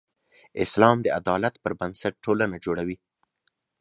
اسلام د عدالت پر بنسټ ټولنه جوړوي.